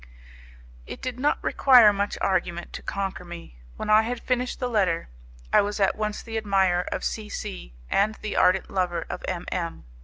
It did not require much argument to conquer me. When I had finished the letter, I was at once the admirer of C C and the ardent lover of M M